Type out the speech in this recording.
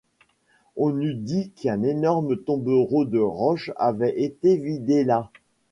On eût dit qu’un énorme tombereau de roches avait été vidé là.